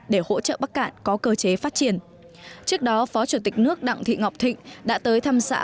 để hỗ trợ bắc cạn có cơ chế phát triển trước đó phó chủ tịch nước đặng thị ngọc thịnh đã tới thăm xã